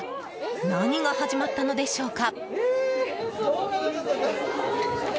何が始まったのでしょうか？